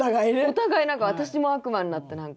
お互い何か私も悪魔になって。